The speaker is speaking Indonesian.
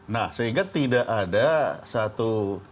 nah sehingga tidak ada satu